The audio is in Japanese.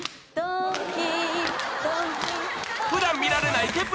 普段見られない Ｋｅｐ